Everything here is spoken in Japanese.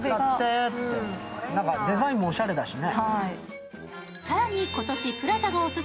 デザインもおしゃれだしね。